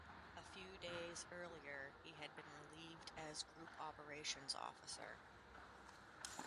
A few days earlier he had been relieved as group operations officer.